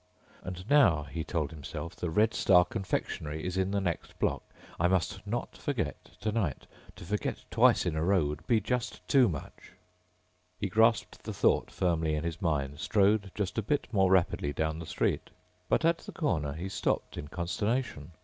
And now, he told himself, the Red Star confectionery is in the next block. I must not forget tonight. To forget twice in a row would be just too much. He grasped that thought firmly in his mind, strode just a bit more rapidly down the street. But at the corner he stopped in consternation.